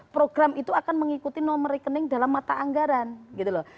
program itu akan mengikuti nomor rekening dalam mata anggaran gitu loh